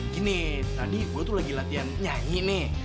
gini tadi gue tuh lagi latihan nyanyi nih